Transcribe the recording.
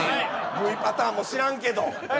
Ｖパターンも知らんけどはい